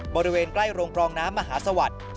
บริเวณใกล้โรงกรองน้ำมหาสวัสดิ์